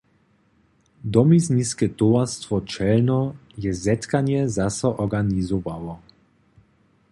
Domizniske towarstwo Čelno je zetkanje zaso organizowało.